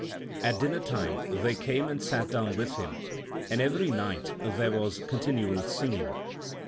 At dinner time they came and sat down with him, and every night there was continual singing.